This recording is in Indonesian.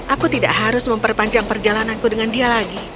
aku tidak harus memperpanjang perjalananku dengan dia lagi